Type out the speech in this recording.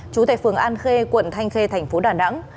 chú tài phường an khê quận thanh khê thành phố đà nẵng